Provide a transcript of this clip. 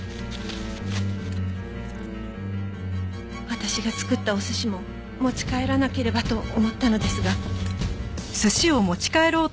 私が作ったお寿司も持ち帰らなければと思ったのですが。